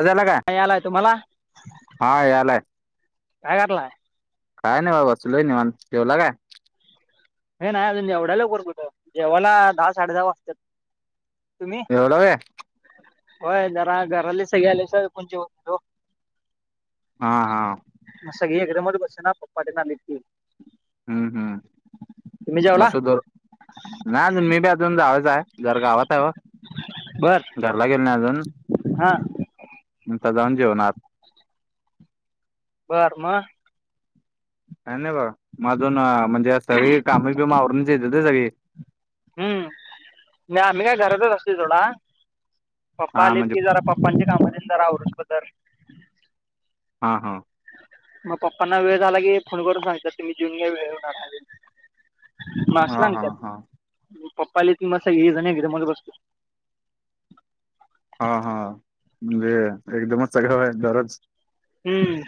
आवाज आला काय? नाही आलाय तुम्हाला हा, यालाय. काय कालाय? काहे नाही बाबा बसलोय निवांत. जेवला काय? ए नाही अजून, एवढ्या लवकर कुठं? जेवायला दहा साडे दहा वाजत्यात. तुम्ही? जेवला व्हय होय जरा घरातले सगळे आल्याशिवाय कोण जेवत नाहीत ओ. हा हा म सगळी एकदमच बसू ना पप्पा तेन आलेत कि. हम्म हम्म तुम्ही जेवला मसूदोर. नाही अजून, मी बी अजून जायाचाय, जरा गावात आहे. बर घरला गेलो नाही अजून. हा नंतर जाऊन जेवणार बर, म काय नाही बघा. म अजून म्हणजे सगळी काम बिम आवरूनच येत्यात होय सगळी? हम्म, मी आम्ही काय घरातच असतोय सोडा, पप्पा हा आलेत म्हणजे की जरा पप् पांची काम तेन जरा आवरूस पतर हा हा मग पप्पांना वेळ झाला की, फोन करून सांगतात तुम्ही जेऊन घ्या वेळ होणार आहे. म अस हा हा सांगत्यात. हा पप्पा आले कि म सगळी जण एकदमच बसतो हा हा. वेळ, एकदमच सगळ होय? दरोज हम्म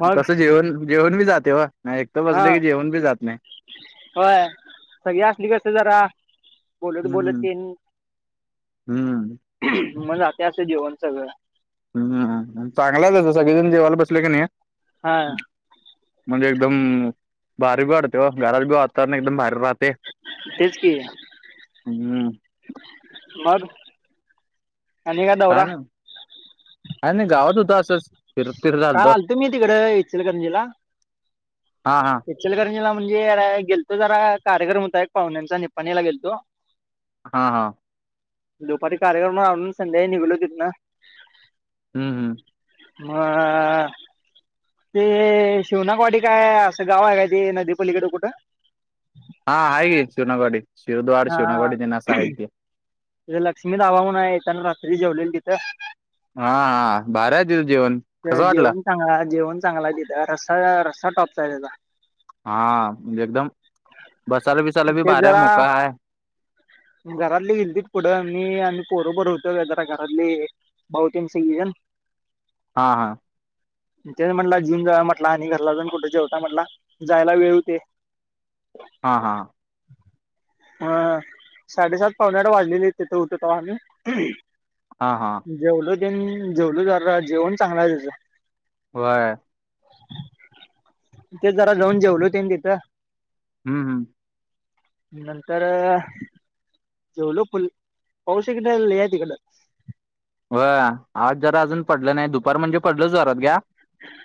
मग तस जेवन, जेवन बी जाते ओ नाही, एकट बसल की जेवन बी जात नाही हा. सगळी असली कि कसं जरा बोलत बोलत हम्म तेन, हम्म मग जातय असं जेवण सगळं. ह् चांगला झाला सगळेजण जेवाला बसले की नाही हा म्हणजे एकदम भारी बी वाटतें व घरात बी वातावरण एकदम भारी राहते तेच की हम्म मग आणि काय का दौरा ना का नाही गावात होत असंच फिरत फिरत काल आलतो मी तिकड इचलकरंजी ला हा हा इचलकरंजीला म्हणजे गेलतो जरा कार्यक्रम होता एक पाहुण्यांचा निपाणीला गेलतो हा हा दुपारी कार्यक्रमावरून आलो संध्याकाळी निघलो तिथन हम् हम् मग [unintelligible] ते शिवनाकवाडी काय असं गाव आहे का ते नदीपलीकडे कुठं हा आहे की शिवणकवाडी हा लक्ष्मी ढाबा म्हणून आहे येताना रात्री जेवलेल तिथं हा हा भारी आहे तिथं जेवण कसं तर वाटलं जेवण चांगला जेवण चांगला तिथं रस्सा रस्सा टॉप हा म्हणजे एकदम बसाला बिसा ते जरा घरातली गिल्तीत पुढं मी आणि पोर पोर होतो जरा घरातले बहुतीन सज ना हा हा ते म्हटला जेवून जा म्हटला आणि घरला जाऊण कुठं जेवता म्हटला जायला वेळ होते हा हा हा ह साडेसात पाऊणे आठ वाजलेली तिथं होतो तेव्हा आम्ही हा हा जेवलो तें जेवलो जरा जेवण चांगला आहे त्याच होय ते जरा जाऊन जेवल तेन तिथं हम् हम् नंतर जेवलो फुल पाऊस इकडं लय हाय तिकडं व आज जरा अजून पडलं नाही दुपार म्हणजे पडलंच जोरात घ्या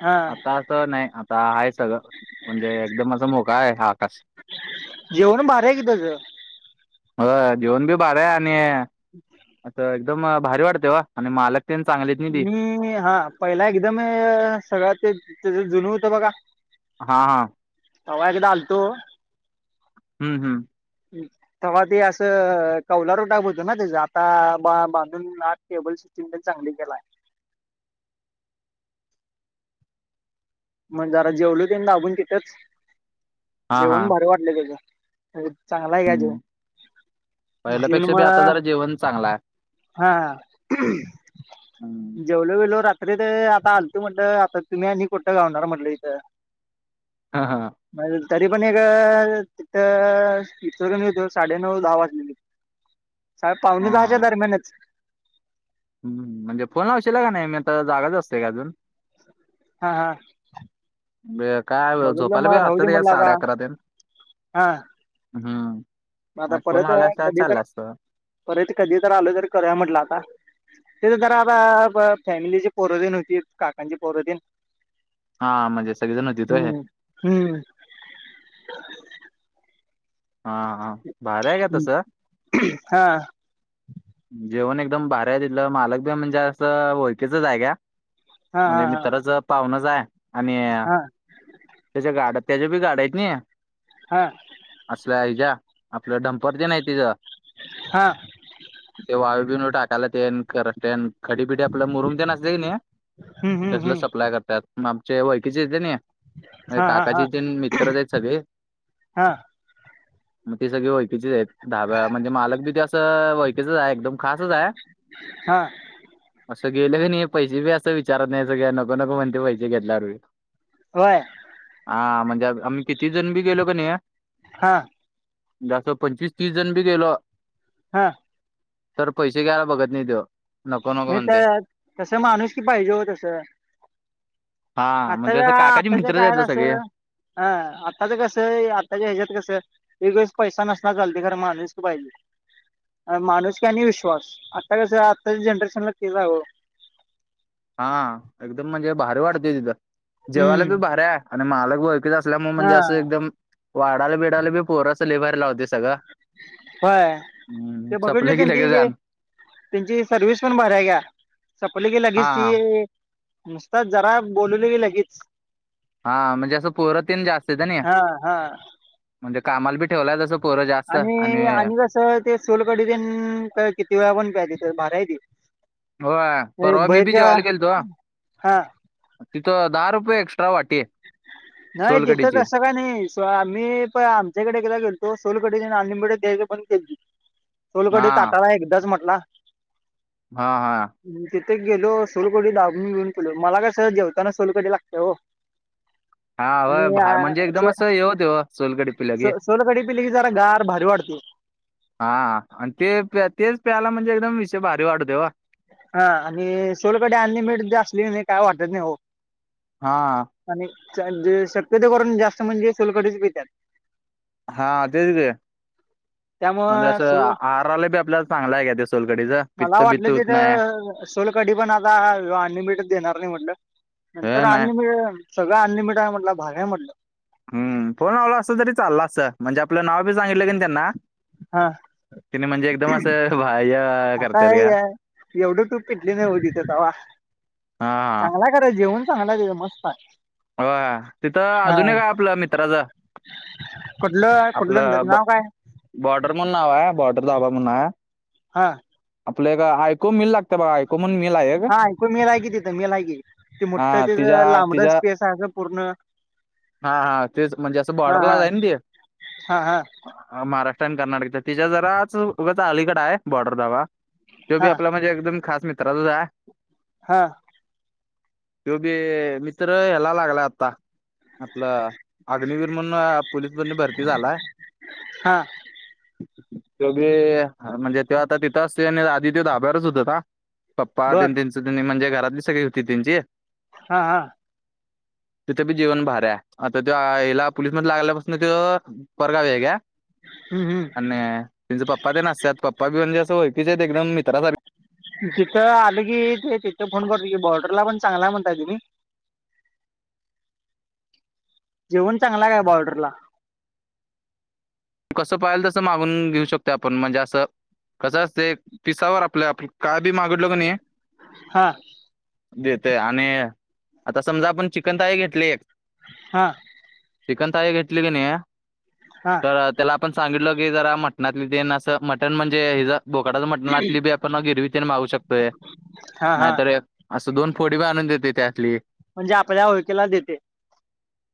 हा आता असं नाही आता आहे सगळं म्हणजे एकदम असा मोकळ आहे हा आकाश जेवण भारी आहे कि त्याचं हो जेवण बी भारी आहे आणि असं एकदम भारी वाटत देवा आणि मालक तेन चांगले नी ती मी हा पहिला एकदम सगळं ते त्याच जुन होतं बघा हा हा तेव्हा एकदा आलतो हम्म हम् हम् तेव्हा ते असं कौलारु डांब होत ना त्याच आता बांधून आत टेबल सिस्टीम चांगली केला. मग जरा जेवल ते दाबून तिथच, हां जेवण हां भारी वाट चांगला आहे हं जीवन पहिल्यापेक्षा बी म आता जरा जेवण चांगलं आहे. [unintelligible] हा. हं जेवलो बीवलो रात्री तर आता आलत म्हटलं आता तुम्ही आणि कुठं गावणार म्हटलं इथं हा हा. तरी पण एक तिथं फिरून येतो साडेनऊ दहा वाजले. [inaudible] सा पावणे दहाच्या दरम्यानच हम्म, म्हणजे फोन लावशला का नाही मी आता जागाच असतो की अजून. हा हा ब काय बघितलं झोपाला बी मग राहू दे असत या म्हटलं आता साडे अकरा तेन हा. हम्म. मग आता परत कधी तर, परत कधी तर आल तरी कया म्हटलं आता. तिथं जरा आता फॅमिलीचे पोरो तीन होती. काकांचे पोरो तीन हा म्हणजे सगळे जणं तिथं होय. हम्म. हम्म. हा हा भार्या [unintelligible] आहे का तसं. हा. जेवण एकदम भारी तीथलं, मालक बी म्हणजे असं ओळखकीच आहे. हा म्हणजे हा मित्राचा पाहुणाच आहे. आणि हा त्याच्या गाड्या त्याच्या बी गाड्या आहेत ना या. हा. असल्या [unintelligible] आज आपलं डम्पर ते नाही तिचं हा. ते वाळू बीळू टाकायला ते करतेन खडी- बिडी आपलं मुरूम ते न असते ना, हम्म हम्म तसलं हम्म सप्लाय करतात. मग आमचे ओळकीचे येत ना माझ्या हा हा हा काकाचे तेन मित्र आहेत सगळे. हा मग ती सगळी ओळखकीचीच आहेत. धाबा म्हणजे मालक बी ते असं कस आहे एकदम खासच आहे. हा असं गेलं क नाही पैसे बी असं विचारत नाही सगळे नको -नको म्हणते पैसे घेतल्यावर. होय. हा म्हणजे आम्ही किती जण बी गेलो का नाही हा. असं पंचवीस, तीस, जण बी गेलो हा. तर पैसे घ्यायला बघत नाही त्यो. नाही तर, तस माणूस की पाहिजे हो तसं. हा म्हणजे असं आताच्या, काकाचे आताच्या मित्रच काय आहेत सगळे असं हं आताच कस आत्ताच्या ह्याच्यात कसं एकवेेळेस पैसा नसणार चालते. खर माणूसकी पाहिजे. माणूसकी आणि विश्वास आता कस आत्ताच्या जनरेशनला ते जावं हा एकदम म्हणजे भारी वाढतेय तिथं, जेवायला हम्म बी भारी आहे आणि मालक ओळखीचा म्हणजे हा असं एकदम वाढाला बिडाला बी पोरंसं लेबर लावते सगं. होय, ते संपलं [unintelligible] की त्यांचे लगेच हे आण त्यांची सर्विस पण भारीय, आहे घ्या सपली की लगेच हा ती नुसताच जरा बोलवली लगेच हा म्हणजे असं पोरतीन जास्त येत ना हा हा म्हणजे कामाला बी ठेवलाय तस आणि आणि कसं ते सोलकडी तेन किती वेळा पण प्या तिथ भारीय ती. होय, ते परवा मी बी बाहेरच्या जेवायला गेलतो. हा तिथं, दहा रुपये एक्स्ट्रा वाटीय. नाही तिथं तसं का नाही आम्ही प आमच्याकडे एकला गेलतो सोलकडी अनलिमिडेड द्यायला बंद केलती हा सोलकडी ताटाला एकदाच म्हटला. हा हा. तिथे गेलो सोलकडी दाबुन घेऊन पिलो, मला कस जेवताना सोलकडी लागतेय हो. हा बा म्हणजे आणि एकदम सो अस हे होतय हो, सोलकडी पिलं की सोलकढी पिली की जरा गार भारी वाटते हा आणि ते प्या तेच प्यायला म्हणजे एकदम विषय भारी वाढवते ओ. हा, आणि सोलकडी अनलिमिडेड असली की काय वाटत नाही हो. हं आणि [unintelligible] शक्यतो करून जास्त म्हणजे सोलकडीच पित्यात. हा तेच [unintelligible] म्हणजे त्यामुळं असं, सोल आहाराला बी आपल्याला चांगलं आहे का त्या सोलकडीच पित्त बित्त होत नाय. सोलकडी पण आता अनलिमिटेड देणार नाही म्हटलं हे नंतर नाही अनलिमि सगळ अनलिमिडेड आहे म्हटलं भारीय म्हटलं. हम्म फोन लावला असं तरी चालला असंत, म्हणजे आपलं नाव बी सांगितलं की त्यांना हं तिने म्हणजे एकदम असं भाय आता हे आहे एवढं टूप पेटली नाही हो तिथं तवा, हा चांगला र जेवन चांगलाय तिथ मस्त आहे. भावा तिथं हा अजून एक आपल्या मित्राचा कुठलं आहे कुठलं त्याच नाव काय? बॉर्डर म्हणून नाव हाय, बॉर्डर ढाबा म्हणून हाय. हं आपलं एक आयकोम मिल लागतं बघा आयकोमण मिल आहे एक. हा ऐकोमील हाय की, तिथं मील हाय की ति मोठं हा तिच तिच्या लांबडच तिच्या पेस आहे असं पूर्ण हा हा तेच म्हणजे असं हा बॉर्डरला हा हाय ना ती. हा हा महाराष्ट्र आणि कर्नाटकचा तिच्या जराच उगा अलीकड आहे बॉर्डर ढाबा. त्यो बी हा आपला म्हणजे एकदम खास मित्राचाच हाय. हां. तो बी मित्र हेला [unintelligible] आता आपलं अग्नवीर म्हणून पोलीस मध्ये भरती झालाय. हा तो बी म्हणजे आता तिथ असतोय, आणि आधी ते धाब्यावरच होत होता. पप्पा बर त्यांच त म्हणजे घरातली सगळी होती त्यांची. हा हा. तिथे बी जीवन भारीय आता ते ह्यायला पोलीस मध लागल्यापासून त्यो [unintelligible] हम्म हम्म आणि तेंच पप्पा ते न असल्यात, पप्पा बी म्हणजें ओळखीचे आहेत एकदम मित्रा सारखे जिथं आले की ते तिथं फोन करतो की बॉर्डरला पण चांगला म्हणताय तुम्ही. जेवण चांगला काय बॉर्डर ला? कसं पाहिजे तसं मागून घेऊ शकतो आपण म्हणजे असं [unintelligible] हा देते आणि आता समजा आपण चिकनथाळी घेतली हा चिकन थाळी घेतली की नाही हा तर [unintelligible] बोकाडाच मटणातील आपण गिरवी तिन मागु शकतोय हा हा नाही असं दोन फोडी पण आणून देते त्यातली [unintelligible]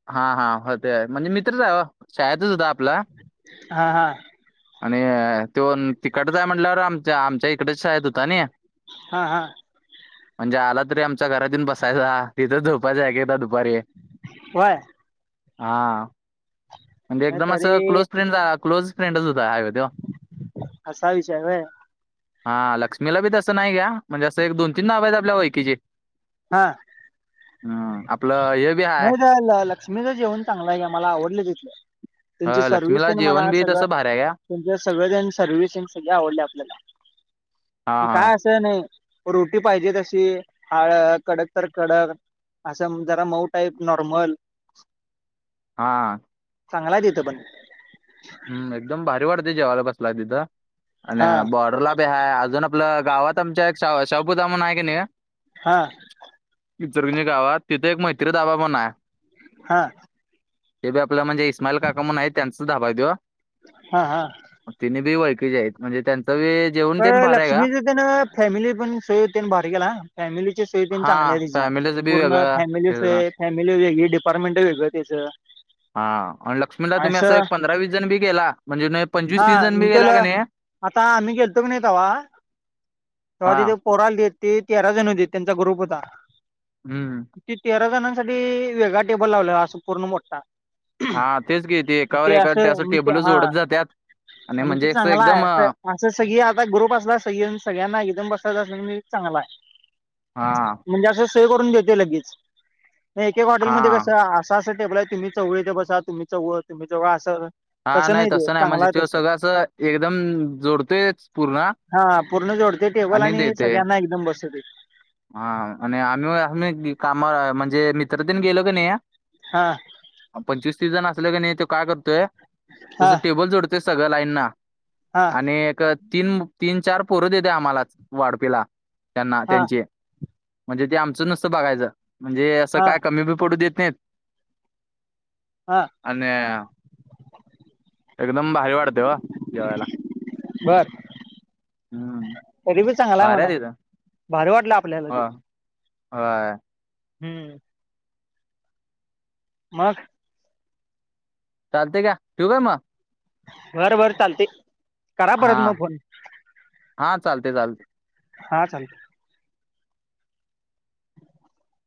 [unintelligible] हा हा आणि तो तिकडच आहे म्हटल्यावर आमच्या आमच्या इकडेच आहेत होता न. हा हा म्हणजे आला तरी आमच्या घरातून बसायचा तिथं झोपायचं ऐक एकदा दुपारी. होय हा म्हणजे नाही एकदम अस तरी क्लोज फ्रेंड क्लोज फ्रेंडच होता. तो असा विषय आहे होय. हा लक्ष्मीला बी तसं नाही घ्या म्हणजे असं एक दोन तीन ढाब आहेत. आपल्या वळकीचे. हा हम्म आपलं हे बी हाय [unintelligible] लक्ष्मी जेवण चांगलाय मला आवडलं तिथले अ, लक्ष्मीला जेवण बी तसं भारी आहे का [unintelligible] हा हा [unintelligible] कडक तर कडक असं जरा मऊ टाईप नॉर्मल हा चांगलाय तिथं पण हम्म एकदम भारी वाढते जेवायला बसलाय तिथं आणि हा बॉर्डरला [unintelligible] हा [unintelligible] हा ते बी आपलं म्हणजे इस्माइल काका म्हणून आहे. त्यांचा धाबा आहे तो हा हा तिने बी ओळखीच आहेते म्हणजे त्यांच बी [unintelligible] जेवण ते पूर्ण भारी आहे का फॅमिलीच फॅमिली हा फॅमिलीचं बी वेगळं हे ना. वेगळी डिपार्टमेंट वेगळं त्याच. [unintelligible] जण बी गेला का नाही [inaudible] हा [unintelligible] हम्म [unintelligible] ते [unintelligible] आ मण ते म्हणजे असं चांगला आहे एकदम असं. अ, असं सगळी आता ग्रुप असला [unintelligible] सगळ्यांना एकदम बसायचं असल मी चांगला आहे. हा. म्हणजे असं सोय करून देतोय लगेच. नाही एक एक हॉटेलमध्ये हा कसं, असं असं टेबल आहेत. तुम्ही चौघ ईथे बसा, तुम्ही चौघ, तुम्ही चौघ असं. हा, नाही ते तसं नाही चांगला म्हणजे आहे त्यो तसं सगळं अस एकदम जोडतोयच पूर्ण हा पूर्ण जोडते टेबल आणि देत सगळ्यांना एकदम बसवतेत. हा आणि आम्ही आम्ही कामा म्हणजे मित्र तेन गेलो क नी हा. आ पंचवीस तीस जण असले क नाही तो काय करतोय, हा तसं टेबल जोडतोय सगळं लाईनना हा आणि एक तीन, तीन, चार पोरं देतय आम्हाला वाडपीला. त्यांना हा त्यांचे. म्हणजे ते आमचं नुसतं बघायचं. म्हणजे असं हा काय कमी बी पडू देत नाहीत. हा. आणि एकदम भारी वाटतंय वो जेवायला. बरं‌. हम्म तरी बी चांगलाय भारी म्हणा. आहे तिथं भारी वाटलं आपल्याला हो ते. होय. हम्म. मग? चालतंय घ्या. ठेवु काय मग? बरं बरं चालतय. हा. हा चालतंय चालतंय. हा चालतंय. [inaudible]